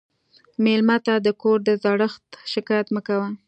مېلمه ته د کور د زړښت شکایت مه کوه.